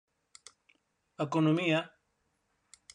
Economia: